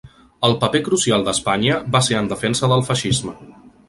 El "paper crucial d'Espanya" va ser en defensa del feixisme.